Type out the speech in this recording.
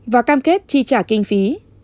và cam kết chi trả kinh phí